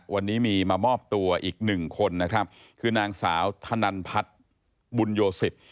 วันนี้มีมาหมอบตัวอีก๑คนนะครับคือนางสาวธนัลพัดบุญโยศิษฐ์